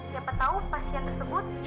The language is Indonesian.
siapa tahu pasien tersebut